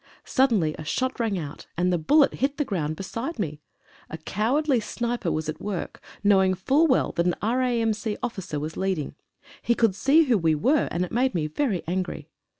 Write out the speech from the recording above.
Suddenly a shot rang out, and the bullet hit the ground beside me. A cowardly sniper was at work, knowing full well that an R.A.M.C. officer was leading. He could see who we were, and it made me very angry.